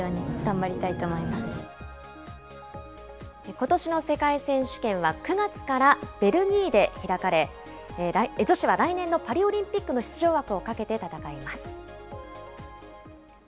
ことしの世界選手権は９月からベルギーで開かれ、女子は来年のパリオリンピックの出場枠をかけて戦います。